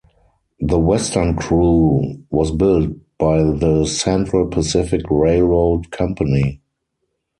The western crew was built by the Central Pacific Railroad Company.